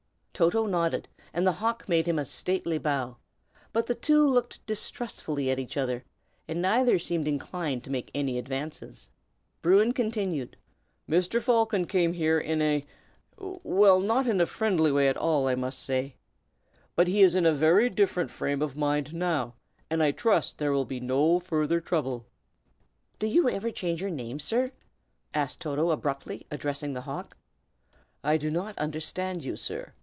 Toto nodded, and the hawk made him a stately bow; but the two looked distrustfully at each other, and neither seemed inclined to make any advances. Bruin continued, "Mr. Falcon came here in a well, not in a friendly way at all, I must say. But he is in a very different frame of mind, now, and I trust there will be no further trouble." "Do you ever change your name, sir?" asked Toto, abruptly, addressing the hawk. "I do not understand you, sir!"